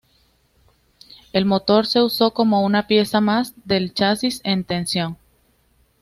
El motor se usó como una pieza más del chasis en tensión.